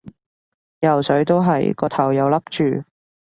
游水都係，個頭又笠住